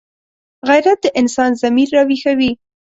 غیرت د انسان ضمیر راویښوي